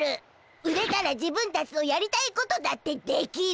売れたら自分たちのやりたいことだってできる。